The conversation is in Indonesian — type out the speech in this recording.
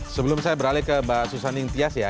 sebelum saya beralih ke mbak susan intias ya